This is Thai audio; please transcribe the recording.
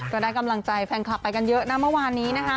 ก็ได้กำลังใจแฟนคลับไปกันเยอะนะเมื่อวานนี้นะคะ